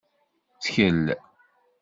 Ttkel.